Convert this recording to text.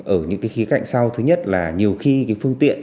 ở những cái khía cạnh sau thứ nhất là nhiều khi cái phương tiện